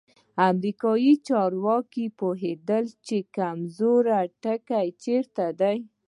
امریکایي چارواکي پوهېدل چې کمزوری ټکی چیرته دی.